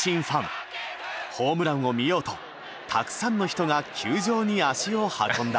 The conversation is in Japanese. ホームランを見ようとたくさんの人が球場に足を運んだ。